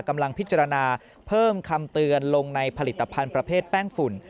กำลังพิจารณาเพิ่มคำเตือนลงในผลิตภัณฑ์ประเภทแป้งฝุ่น